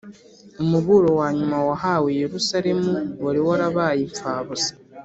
umuburo wa nyuma wahawe yerusalemu wari warabaye imfabusa